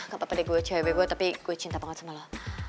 kenapa pada gue cewek gue tapi gue cinta banget sama lo